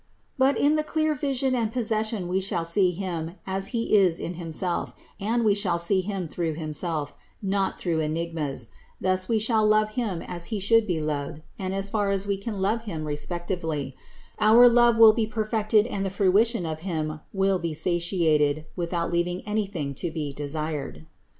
But in the clear vision and possession we shall see Him as He is in Himself and we shall see Him through Himself, not through enigmas ; thus we shall love Him as He should be loved and as far as we can love Him respectively; our love will be perfected and the fruition of Him will be satiated, without leaving any thing to be desired.